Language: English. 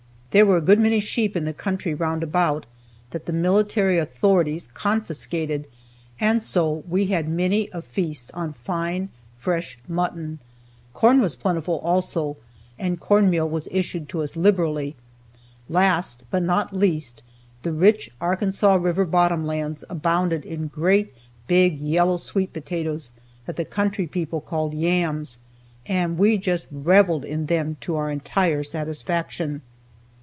There were a good many sheep in the country round about that the military authorities confiscated, and so we had many a feast on fine, fresh mutton. Corn was plentiful also, and corn meal was issued to us liberally. Last, but not least, the rich Arkansas river bottom lands abounded in great big yellow sweet potatoes that the country people called "yams," and we just reveled in them to our entire satisfaction.